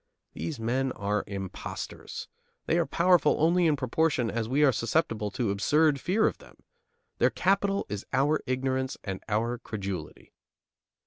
These men are impostors. They are powerful only in proportion as we are susceptible to absurd fear of them. Their capital is our ignorance and our credulity.